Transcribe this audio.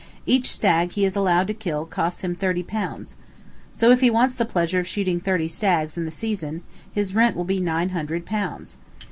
Each stag he is allowed to kill costs him thirty pounds. So if he wants the pleasure of shooting thirty stags in the season, his rent will be nine hundred pounds.